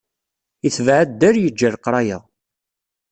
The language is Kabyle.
Itbeɛ addal, yeǧǧa leqraya.